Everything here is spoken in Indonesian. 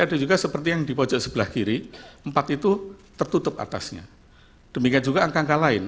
ada juga seperti yang di pojok sebelah kiri empat itu tertutup atasnya demikian juga angka angka lain